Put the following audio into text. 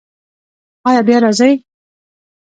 ایا بیا راځئ؟